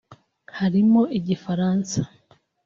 harimo Igifaransa